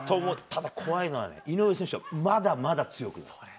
ただ怖いのは井上選手、まだまだ強くなる。